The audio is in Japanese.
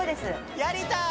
やりたい！